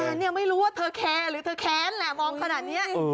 แต่เนี่ยไม่รู้ว่าเธอแคร์หรือเธอแค้นแหละมองขนาดนี้